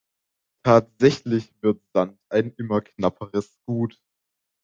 Tatsächlich wird Sand ein immer knapperes Gut.